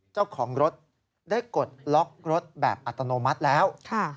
เจ้าของรถได้กดล็อกรถแบบอัตโนมัติแล้ว